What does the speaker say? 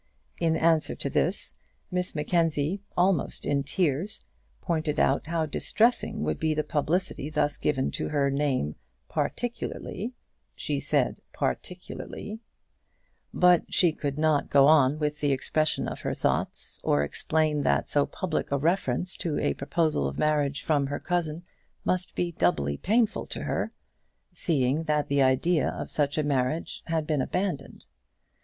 In answer to this, Miss Mackenzie, almost in tears, pointed out how distressing would be the publicity thus given to her name "particularly" she said, "particularly " But she could not go on with the expression of her thoughts, or explain that so public a reference to a proposal of marriage from her cousin must be doubly painful to her, seeing that the idea of such a marriage had been abandoned.